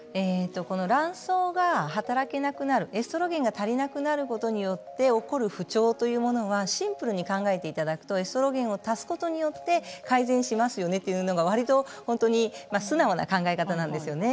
卵巣が働けなくなるエストロゲンが足りなくなることによって起こる不調というのはシンプルに考えていただくとエストロゲンを足すことで改善しますよねというのがわりと素直な考え方なんですよね。